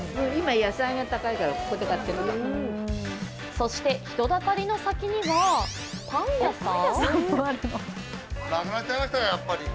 そして人だかりの先にはパン屋さん？